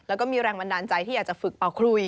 แล้วก็มีแรงบันดาลใจที่อยากจะฝึกเป่าคลุย